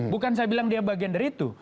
bukan saya bilang dia bagian dari itu